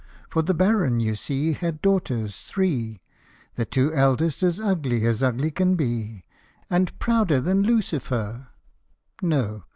For the Baron, you see, had daughters three, The two eldest as ugly as ugly can be, And prouder than Lucifer (no